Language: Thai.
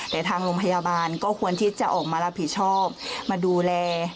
แต่ทางโรงพยาบาลก็ควรที่จะออกมารับผิดชอบมาดูแล